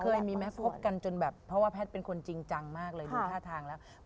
เคยมีไหมพบกันจนแบบเพราะว่าแพทย์เป็นคนจริงจังมากเลยดูท่าทางแล้ว